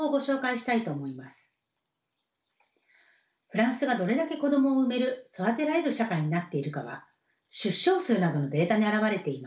フランスがどれだけ子どもを産める育てられる社会になっているかは出生数などのデータに表れています。